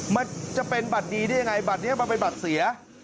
มันจะเป็นบัตรดีได้ยังไงบัตรนี้มันเป็นบัตรเสีย